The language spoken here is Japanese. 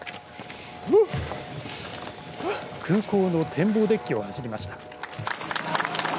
空港の展望デッキを走りました。